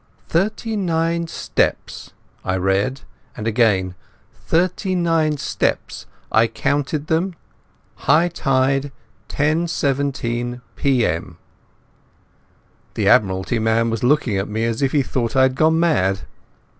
"Thirty nine steps," I read, and again, "Thirty nine steps—I counted them—High tide, 10.17 p.m." The Admiralty man was looking at me as if he thought I had gone mad.